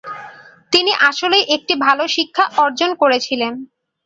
তিনি আসলেই একটি ভাল শিক্ষা অর্জন করেছিলেন।